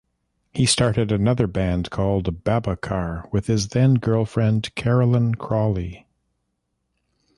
He started another band called Babacar with his then-girlfriend Caroline Crawley.